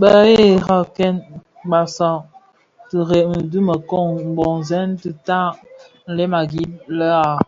Bēghèrakèn basag tigèni dhi mekon mboňzèn dhitaa mlem a gib lè ag.